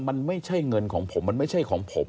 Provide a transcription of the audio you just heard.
มันไม่ใช่เงินของผมมันไม่ใช่ของผม